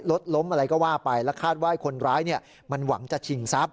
รถล้มอะไรก็ว่าไปแล้วคาดว่าคนร้ายมันหวังจะชิงทรัพย